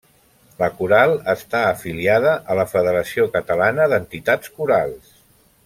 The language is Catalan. La coral està afiliada a la Federació Catalana d'Entitats Corals.